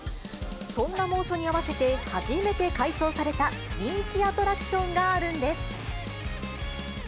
そんな猛暑に合わせて、初めて改装された人気アトラクションがあるんです。